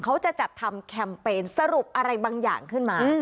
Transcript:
เขาจะจัดทำแคมเปญสรุปอะไรบางอย่างขึ้นมา